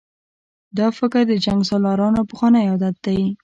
دا فکر د جنګسالارانو پخوانی عادت دی.